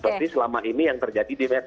berarti selama ini yang terjadi di media